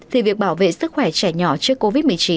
thì việc bảo vệ sức khỏe trẻ nhỏ trước covid một mươi chín